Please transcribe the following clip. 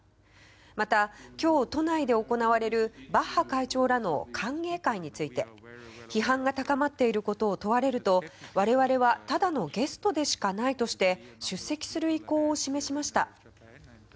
また、今日、都内で行われるバッハ会長らの歓迎会について批判が高まっていることを問われると我々はただのゲストでしかないとして出席する意向を示しました。